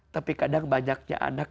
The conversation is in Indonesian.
tapi kadang banyaknya anak